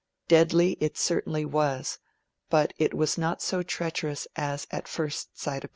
Deadly it certainly was, but it was not so treacherous as it appeared at first sight.